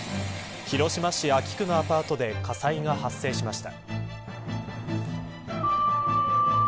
広島市安芸区のアパートで火災が発生しました。